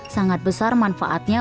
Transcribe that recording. sangat besar manfaatnya untuk anda